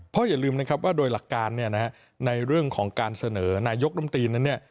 เพราะอย่าลืมนะครับว่าโดยหลักการเนี่ยนะฮะในเรื่องของการเสนอนายกรมตีนนั้นเนี่ย